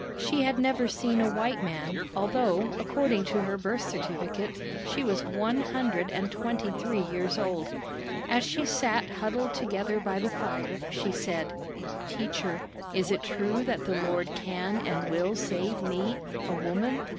She had never seen a white man, although, according to her birth certificate, she was one hundred and twenty three years old. As she sat huddled together by the fire, she said: 'Teacher, is it true that the Lord can and will save me, a woman?